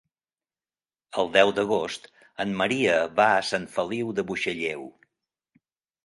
El deu d'agost en Maria va a Sant Feliu de Buixalleu.